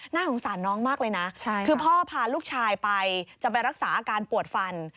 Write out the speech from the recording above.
สงสารน้องมากเลยนะคือพ่อพาลูกชายไปจะไปรักษาอาการปวดฟัน